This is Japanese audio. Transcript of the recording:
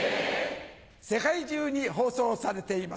世界中に放送されています。